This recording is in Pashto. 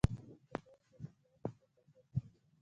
د کابل په استالف کې څه شی شته؟